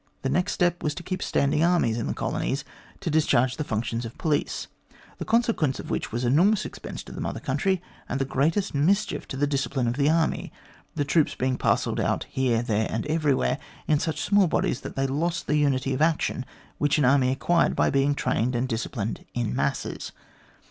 The next step was to keep standing armies in the colonies to discharge the functions of police, the consequence of which was enormous expense to the Mother Country, and the greatest mischief to the discipline of the army, the troops being parcelled out here, there, and everywhere in such small bodies that they lost the unity of action which an army acquired by being trained and disciplined in masses.